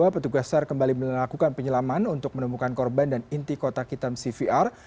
petugas sar kembali melakukan penyelaman untuk menemukan korban dan inti kotak hitam cvr